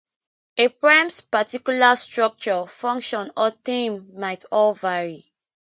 A poem's particular structure, function, or theme might all vary.